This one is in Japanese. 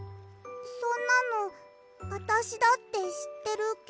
そんなのあたしだってしってるけど。